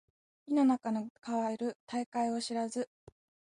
井の中の蛙大海を知らず